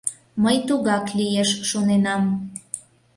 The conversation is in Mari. Мый тугак лиеш шоненам...